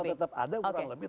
tetap ada kurang lebih